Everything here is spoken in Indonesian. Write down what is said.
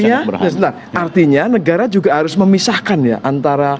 artinya negara juga harus memisahkan ya antara